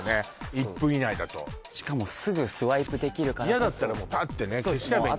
１分以内だとしかもすぐスワイプできるからこそ嫌だったらもうパーッてね消しちゃえばいいんだもんね